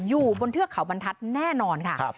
อยู่บนเทือกเขาบรรทัศน์แน่นอนค่ะ